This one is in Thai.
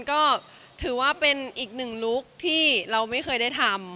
ก็ถือว่าเป็นอีกหนึ่งลุคที่เราไม่เคยได้ทำ